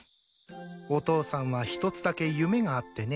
お父さんは１つだけ夢があってね。